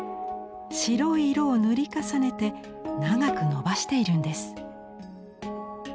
白い色を塗り重ねて長くのばしているんです。